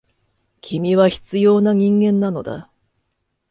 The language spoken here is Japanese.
君は必要な人間なのだ。